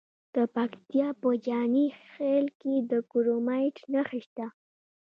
د پکتیکا په جاني خیل کې د کرومایټ نښې شته.